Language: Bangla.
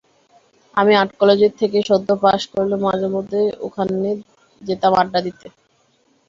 আমি আর্ট কলেজ থেকে সদ্য পাস করলেও মাঝেমধ্যেই ওখানে যেতাম আড্ডা দিতে।